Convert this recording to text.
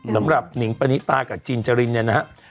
สำหรับหนิงปนิตากับจินจริน